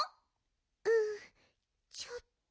うんちょっと。